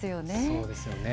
そうですよね。